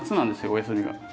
お休みが。